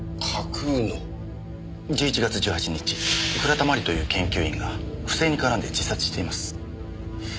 １１月１８日倉田真理という研究員が不正に絡んで自殺しています。